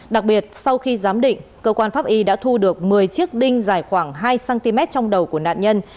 đặc biệt sau khi giám định cơ quan pháp y đã thu được một mươi chiếc đinh dài khoảng hai cm trong đầu của nạn nhân